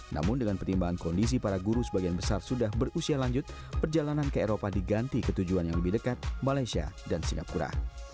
namun dengan pertimbangan kondisi para guru sebagian besar sudah berusia lanjut perjalanan ke eropa diganti ke tujuan yang lebih dekat malaysia dan singapura